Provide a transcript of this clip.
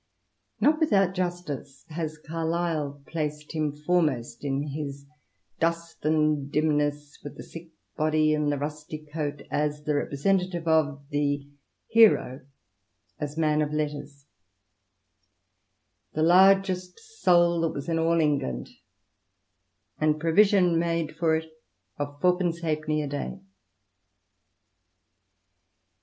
Not without justice has Carlyle placed him foremost in his "dust and dimness, with the sick body and the rusty coat," as the representative of the " Hero as Man of Letters" —" The largest soul that was in all England, and provision made for it of * fourpence halfpenny a day.'